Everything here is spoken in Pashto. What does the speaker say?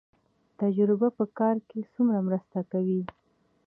تجربه په کار کې څومره مرسته کوي؟